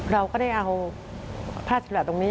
เราก็ได้เอาพลาดสัตว์แบบตรงนี้